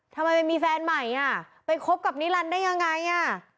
ทำไมไปมีแฟนใหม่อ่ะไปคบกับนิรันดิได้ยังไงอ่ะ